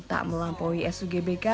tak melampaui sugbk